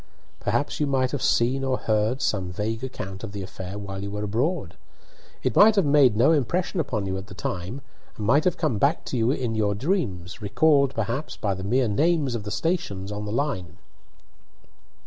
"Perhaps you might have seen or heard some vague account of the affair while you were abroad. It might have made no impression upon you at the time, and might have come back to you in your dreams, recalled perhaps by the mere names of the stations on the line."